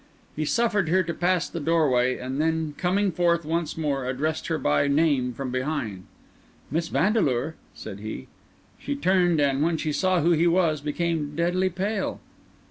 He suffered her to pass the doorway, and then, coming forth once more, addressed her by name from behind. "Miss Vandeleur," said he. She turned and, when she saw who he was, became deadly pale.